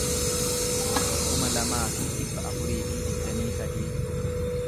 kuma lamaa fi dhibba afurii fi digdamii sadii